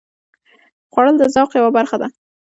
خوړل د ذوق یوه برخه ده